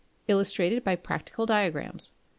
Illustrated by practical diagrams.